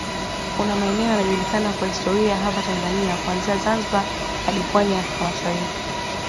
Kuna maeneo yanajulikana kwa historia hapa Tanzania kuanzia Zanzibar hadi pwani ya Afrka Mashariki